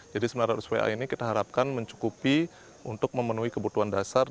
jadi sembilan ratus va ini kita harapkan mencukupi untuk memenuhi kebutuhan dasar